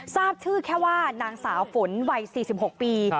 ทราบชื่อแค่ว่านางสาวฝนวัย๔๖ปี